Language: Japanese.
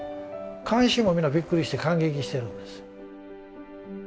観衆も皆びっくりして感激してるんです。